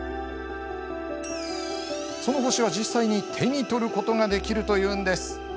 その星は、実際に手に取ることができるというんです。